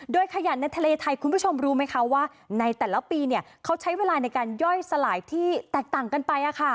โดยขยันในทะเลไทยคุณผู้ชมรู้ไหมคะว่าในแต่ละปีเขาใช้เวลาในการย่อยสลายที่แตกต่างกันไป